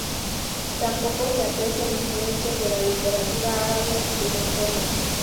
Tampoco se aprecian influencias de la literatura árabe del entorno.